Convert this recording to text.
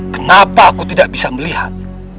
kenapa aku tidak bisa melihat